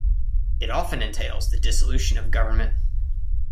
It often entails the dissolution of government.